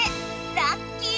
ラッキー！